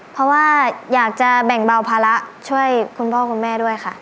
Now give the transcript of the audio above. เพราะว่าอยากจะแบ่งเบาภาระช่วยคุณพ่อคุณแม่ด้วยค่ะ